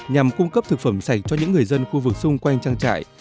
nhằm cung cấp thực phẩm sạch cho những người dân khu vực xung quanh trang trại